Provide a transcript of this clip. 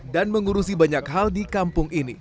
dan mengurusi banyak hal di kampung